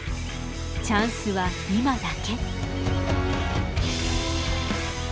チャンスは今だけ。